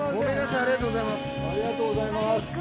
ありがとうございます。